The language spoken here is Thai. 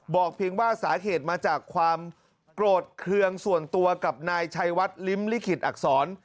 เพียงว่าสาเหตุมาจากความโกรธเครื่องส่วนตัวกับนายชัยวัดลิ้มลิขิตอักษร